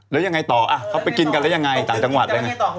แล้วยังไงต่อเขาไปกินกันแล้วยังไงต่างจังหวัดแล้วไง